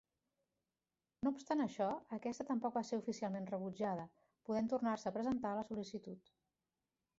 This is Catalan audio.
No obstant això, aquesta tampoc va ser oficialment rebutjada, podent tornar-se a presentar la sol·licitud.